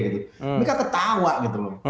mereka ketawa gitu loh